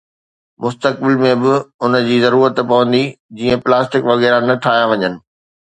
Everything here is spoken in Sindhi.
مستقبل ۾ به ان جي ضرورت پوندي، جيئن پلاسٽڪ وغيره نه ٺاهيا وڃن